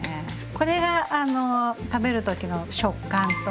これが食べる時の食感と。